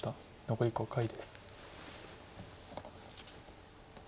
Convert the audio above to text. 残り５回です。